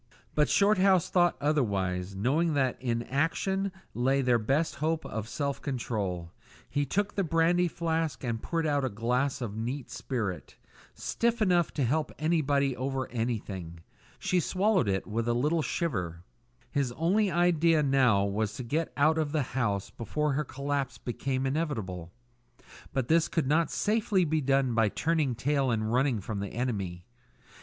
But Shorthouse thought otherwise, knowing that in action lay their best hope of self control. He took the brandy flask and poured out a glass of neat spirit, stiff enough to help anybody over anything. She swallowed it with a little shiver. His only idea now was to get out of the house before her collapse became inevitable; but this could not safely be done by turning tail and running from the enemy.